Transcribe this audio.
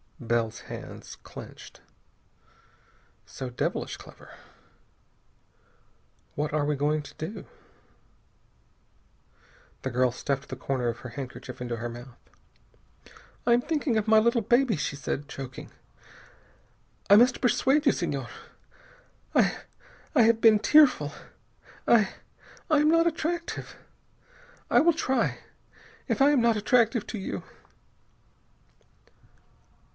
Bell's hands clenched. "So devilish clever.... What are we going to do?" The girl stuffed the corner of her handkerchief into her mouth. "I am thinking of my little baby," she said, choking. "I must persuade you, Senhor. I I have been tearful. I I am not attractive. I will try. If I am not attractive to you...."